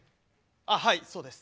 あはいそうです。